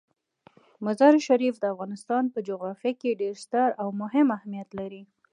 مزارشریف د افغانستان په جغرافیه کې ډیر ستر او مهم اهمیت لري.